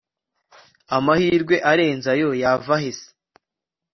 amahirwe arenze ayo yavahe se